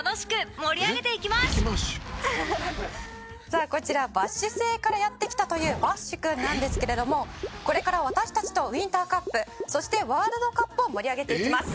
「さあこちらバッシュ星からやって来たというバッシュくんなんですけれどもこれから私たちとウインターカップそしてワールドカップを盛り上げていきます」